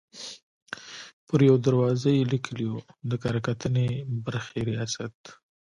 پر یوه دروازه یې لیکلي وو: د کره کتنې برخې ریاست.